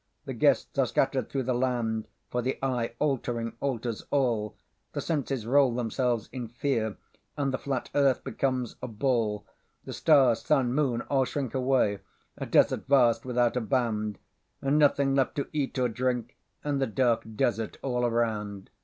The guests are scatter'd thro' the land, For the eye altering alters all; The senses roll themselves in fear, And the flat earth becomes a ball; The stars, sun, moon, all shrink away,A desert vast without a bound, And nothing left to eat or drink, And a dark desert all around.